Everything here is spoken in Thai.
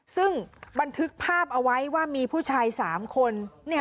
ซึ่งบันทึกภาพเอาไว้ว่ามีผู้ชาย๓คน